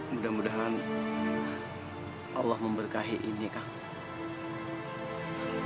mudah mudahan allah memberkahi ini kang